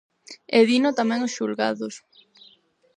¡E dino tamén os xulgados!